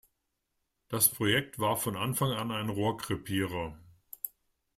Das Projekt war von Anfang an ein Rohrkrepierer.